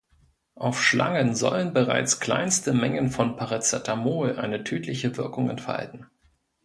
Auf Schlangen sollen bereits kleinste Mengen von Paracetamol eine tödliche Wirkung entfalten.